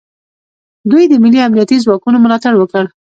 دوی د ملي امنیتي ځواکونو ملاتړ وکړ